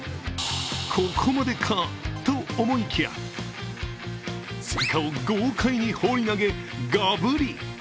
ここまでかと思いきや、スイカを豪快に放り投げ、ガブリ！